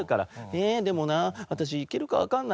「ええでもな私いけるかわかんない」